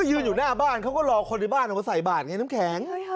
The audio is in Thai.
ยืนอยู่หน้าบ้านเขาก็รอคนในบ้านเอามาใส่บาทไงน้ำแข็ง